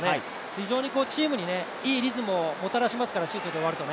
非常にチームにいいリズムをもたらしますから、シュートで終わると。